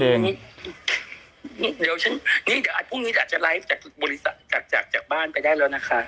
เดี๋ยวพรุ่งนี้อาจจะไลฟ์จากบริษัทจากบ้านไปได้แล้วนะคะ